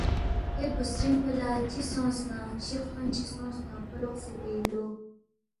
کھوے بُوسترِنگ پو لہ چی سونگس نہ شی خسون چی سونگس نہ کھو لوقسے گوے اِن لو